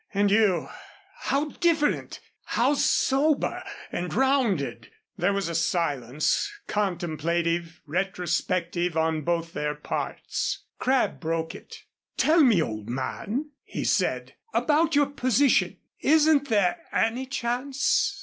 And you, how different! How sober and rounded!" There was a silence, contemplative, retrospective on both their parts. Crabb broke it. "Tell me, old man," he said, "about your position. Isn't there any chance?"